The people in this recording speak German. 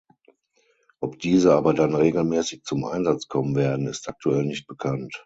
Ob diese aber dann regelmäßig zum Einsatz kommen werden, ist aktuell nicht bekannt.